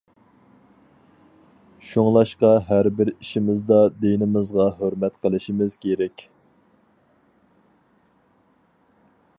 شۇڭلاشقا ھەر بىر ئىشىمىزدا دىنىمىزغا ھۆرمەت قىلىشىمىز كېرەك.